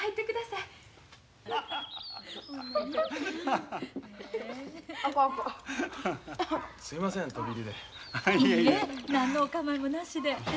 いいえ何のお構いもなしで。